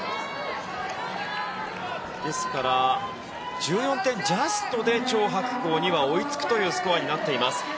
ですから、１４点ジャストでチョウ・ハクコウには追いつくというスコアになっています。